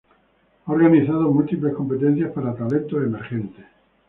Ha organizado múltiples competencias para talentos emergentes.